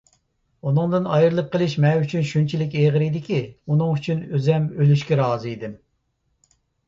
ئۇنىڭدىن ئايرىلىپ قېلىش مەن ئۈچۈن شۇنچىلىك ئېغىر ئىدىكى، ئۇنىڭ ئۈچۈن ئۆزۈم ئۆلۈشكە رازى ئىدىم.